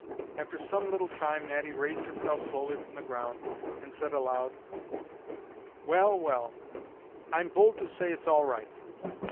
After some little time Natty raised himself slowly from the ground, and said aloud: "Well, well I'm bold to say it's all right!